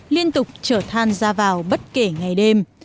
liên tục chở than ra vào bất kể ngày đêm